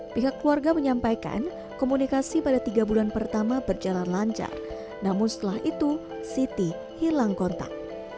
pihak keluarga menyampaikan komunikasi pada tiga bulan pertama berjalan lancar namun setelah itu siti hilang kontak